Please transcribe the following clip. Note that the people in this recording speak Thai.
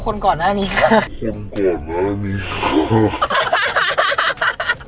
คนก่อนหน้านี้ถูก